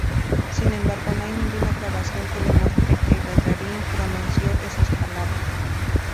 Sin embargo, no hay ninguna grabación que demuestre que Gagarin pronunció esas palabras.